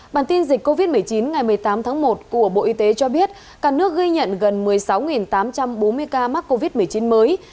bản tin dịch covid một mươi chín ngày một mươi tám tháng một của bộ y tế cho biết cả nước ghi nhận gần một mươi sáu tám trăm bốn mươi ca mắc covid một mươi chín mới